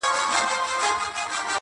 تر بار لاندي یې ورمات کړله هډونه،